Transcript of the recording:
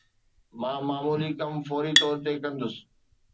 مان معمولي ڪم فوري طور تي ڪندس